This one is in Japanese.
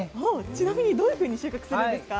ちなみにどういうふうに収穫するんですか？